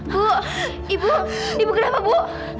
bu ibu ibu kenapa bu